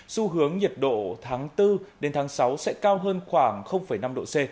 xu hướng nhiệt độ tháng bốn đến tháng sáu sẽ cao hơn khoảng năm độ c